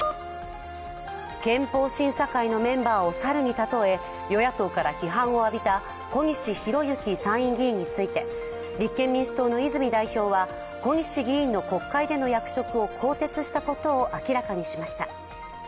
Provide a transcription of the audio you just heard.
憲法審査会のメンバーを猿に例え与野党から批判を浴びた小西洋之参院議員について立憲民主党の泉代表は小西議員の国会での役職を更迭したことを明らかにしました。